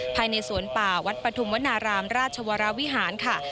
ภายในสวนป่าวัดปฐุมวนารามราชวรวิหารค่ะ